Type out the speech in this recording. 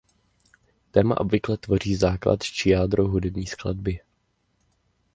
Téma obvykle tvoří základ či jádro hudební skladby.